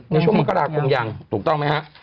ในช่วงมกราคมยังถูกต้องไหมฮะ